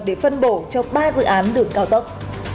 để phân bổ cho ba dự án đường cao tốc